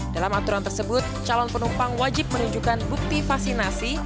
dalam aturan tersebut calon penumpang wajib menunjukkan bukti vaksinasi